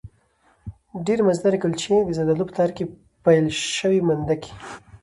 ډېرې مزهدارې کلچې، د زردالو په تار کې پېل شوې مندکې